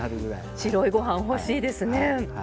白いご飯欲しいですね。